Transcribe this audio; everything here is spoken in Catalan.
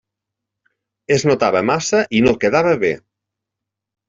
Es notava massa i no quedava bé.